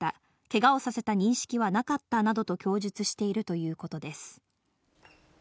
けがをさせた認識はなかったなどと供述しているということです。